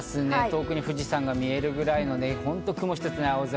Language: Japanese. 遠くに富士山が見えるくらいの本当に雲一つない青空。